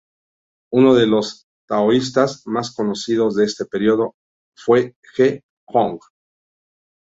Uno de los taoístas más conocidos de este periodo fue Ge Hong.